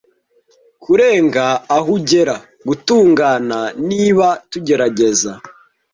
Kurenga aho ugera, gutungana; --niba tugerageza